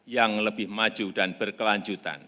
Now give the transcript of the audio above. yang lebih maju dan berkelanjutan